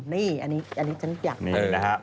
นี่อันนี้ฉันอยาก